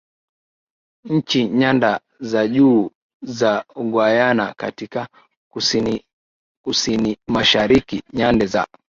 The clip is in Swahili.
nchi nyanda za juu za Guayana katika kusinimashariki Nyanda za